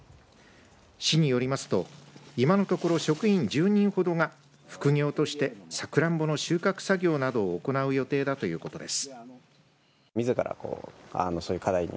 市によりますと今のところ職員１０人ほどが副業としてさくらんぼの収穫作業などを行う予定だということです。